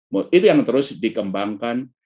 nah itu yang terus dikembangkan